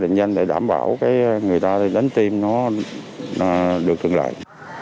định danh để đảm bảo người ta đánh tim được tương lai